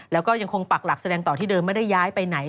แล้วก็ยังคงปักหลักแสดงต่อที่เดิมไม่ได้ย้ายไปไหน